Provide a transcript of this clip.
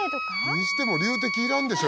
にしても龍笛いらんでしょ